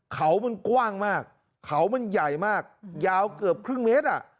เขามันกว้างมากเขามันใหญ่มากยาวเกือบครึ่งเมตรอ่ะ